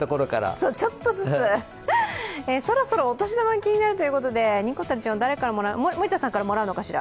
そろそろお年玉が気になるということで、にこてるちゃんは森田さんからもらうのかしら？